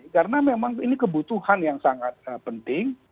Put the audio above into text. karena memang ini kebutuhan yang sangat penting